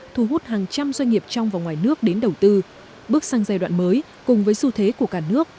thu hút hàng trăm doanh nghiệp trong và ngoài nước đến đầu tư bước sang giai đoạn mới cùng với xu thế của cả nước